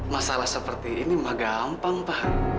masalah seperti ini mah gampang pak